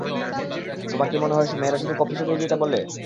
তোমার কী মনে হয় মেয়েরা শুধু কফিশপেই যেতে বলে?